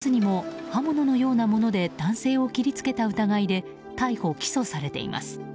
実は、今年８月にも刃物のようなもので男性を切りつけた疑いで逮捕・起訴されています。